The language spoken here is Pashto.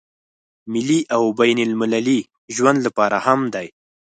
ملي او بين المللي ژوند لپاره هم دی.